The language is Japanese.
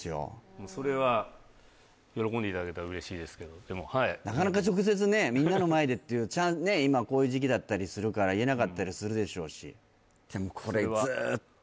もうそれは喜んでいただけたら嬉しいですけどなかなか直接ねみんなの前でっていう今こういう時期だったりするから言えなかったりするでしょうしでもこれず−っと